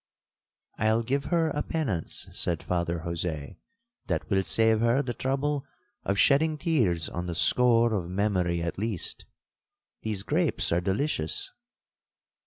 '—'I'll give her a penance,' said Father Jose, 'that will save her the trouble of shedding tears on the score of memory at least—these grapes are delicious.'